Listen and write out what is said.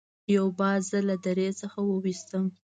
یو باز زه له درې څخه وویستم.